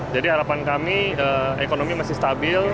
jadi harapan kami ekonomi masih stabil